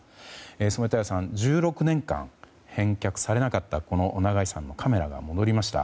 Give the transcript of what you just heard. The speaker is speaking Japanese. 染田屋さん１６年間返却されなかったこの長井さんのカメラが戻りました。